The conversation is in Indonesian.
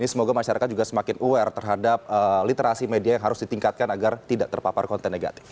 semoga masyarakat juga semakin aware terhadap literasi media yang harus ditingkatkan agar tidak terpapar konten negatif